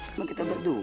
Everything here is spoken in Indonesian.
bukan kita berdua